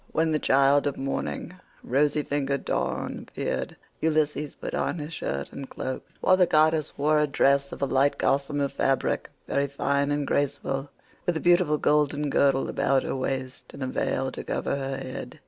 When the child of morning rosy fingered Dawn appeared, Ulysses put on his shirt and cloak, while the goddess wore a dress of a light gossamer fabric, very fine and graceful, with a beautiful golden girdle about her waist and a veil to cover her head.